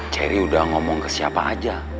cherry udah ngomong ke siapa aja